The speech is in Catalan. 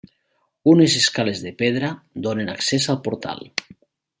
Unes escales de pedra donen accés al portal.